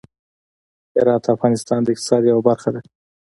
هرات د افغانستان د اقتصاد یوه برخه ده.